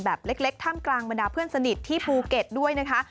แบบเล็กท่ามกลางบรรดาเพื่อนสนิทที่ภูเก็ตด้วยนะคะ